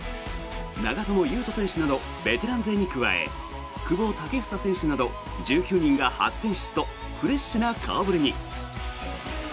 長友佑都選手などベテラン勢に加え久保建英選手など１９人が初選出とフレッシュな顔触れに。